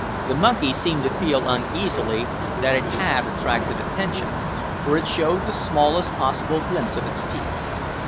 The monkey seemed to feel uneasily that it had attracted attention, for it showed the smallest possible glimpse of its teeth.